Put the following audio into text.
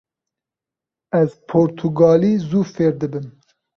Ez portugalî zû fêr dibim.